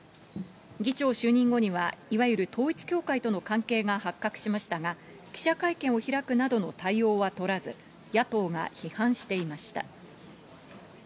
議長就任後には、いわゆる統一教会との関係が発覚しましたが、記者会見を開くなどの対応は取らず、野党が批判していました。